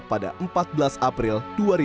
pada empat belas april dua ribu dua puluh